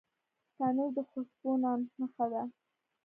تنور د خوشبو نان نښه ده